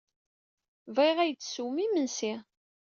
Bɣiɣ ad iyi-d-tessewwem imensi.